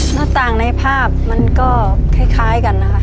หน้าต่างในภาพมันก็คล้ายกันนะคะ